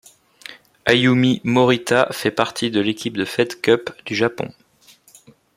Ayumi Morita fait partie de l'équipe de Fed Cup du Japon.